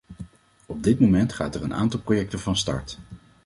Op dit moment gaat er een aantal projecten van start.